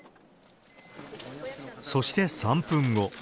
そして３分後。